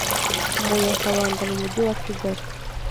mu Nyakabanda mu mujyi wa Kigali.